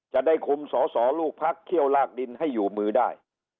จะได้คุมสอสอลูกพักเขี้ยวลากดินให้อยู่มือได้